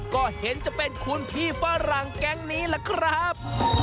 ก็เห็นจะเป็นคุณพี่ฝรั่งแก๊งนี้ล่ะครับ